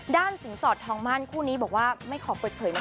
สินสอดทองมั่นคู่นี้บอกว่าไม่ขอเปิดเผยนะคะ